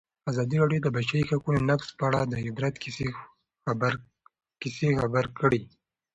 ازادي راډیو د د بشري حقونو نقض په اړه د عبرت کیسې خبر کړي.